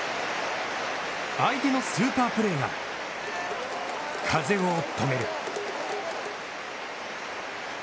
相手のスーパープレーが風を止める。